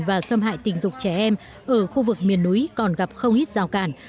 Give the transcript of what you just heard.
và xâm hại tình dục trẻ em ở khu vực miền núi còn gặp không ít rào cản